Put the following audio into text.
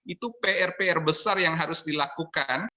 itu pr pr besar yang harus dilakukan